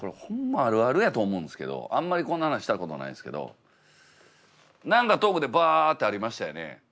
あるあるやと思うんですけどあんまりこんな話したことないですけど何かトークでバってありましたよね